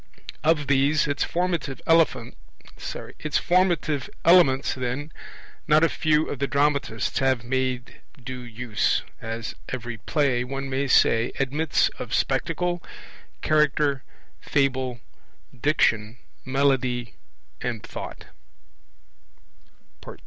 Of these, its formative elements, then, not a few of the dramatists have made due use, as every play, one may say, admits of Spectacle, Character, Fable, Diction, Melody, and Thought.